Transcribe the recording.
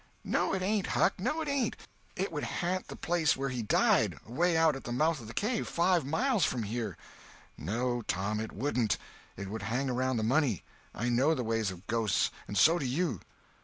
"No it ain't, Huck, no it ain't. It would ha'nt the place where he died—away out at the mouth of the cave—five mile from here." "No, Tom, it wouldn't. It would hang round the money. I know the ways of ghosts, and so do you."